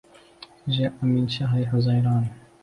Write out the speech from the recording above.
جاء من شهر حزيران